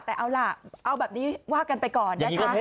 เอาแบบนี้วากันไปก่อนนะค่ะ